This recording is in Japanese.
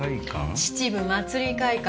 秩父まつり会館。